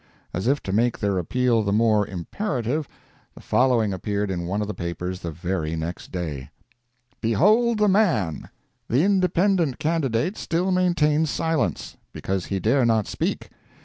As if to make their appeal the more imperative, the following appeared in one of the papers the very next day: BEHOLD THE MAN!—The Independent candidate still maintains Silence. Because he dare not speak.